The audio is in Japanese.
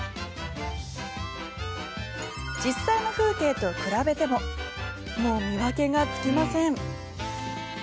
実際の風景と比べてももう見分けがつきません。